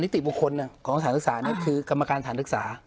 หลายติประคุณของสาหกศึกษาคือกรรมการสาหกศึกษา